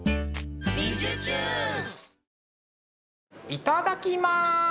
いただきま。